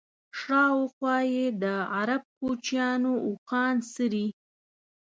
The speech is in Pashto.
شاوخوا یې د عرب کوچیانو اوښان څري.